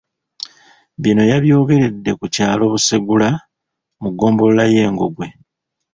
Bino yabyogeredde ku kyalo Busegula mu ggombolola y'e Ngogwe